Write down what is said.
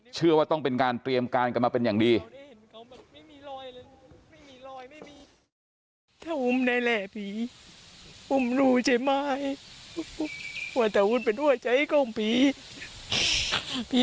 เชื่อว่าต้องเป็นการเตรียมการกันมาเป็นอย่างดี